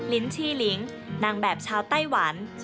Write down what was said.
ลิ้นชี่ลิงนางแบบชาวไต้หวัน